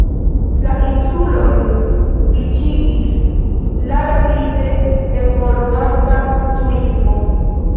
La insulojn riĉigis la rapide evoluanta turismo.